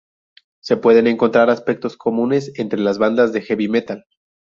Se pueden encontrar aspectos comunes entre las bandas de "heavy metal".